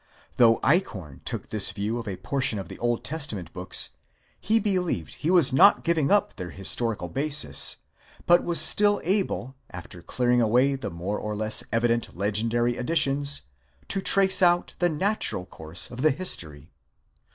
Though Eichhorn took this view of a portion of the Old Testament Books, he believed he was not giving up their historical basis, but was still able, after clearing away the more or less evident legendary additions, to trace out the natural course of the history.